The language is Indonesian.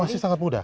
masih sangat muda